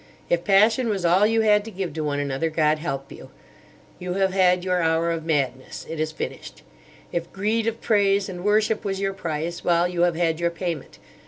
If passion was all you had to give to one another, God help you. You have had your hour of madness. It is finished. If greed of praise and worship was your price—well, you have had your payment.